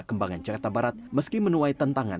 kembangan jakarta barat meski menuai tentangan